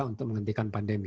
untuk menghentikan pandemi